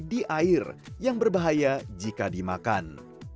di air yang berbahaya jika dimakan